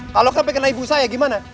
kalo sampe kena ibu saya gimana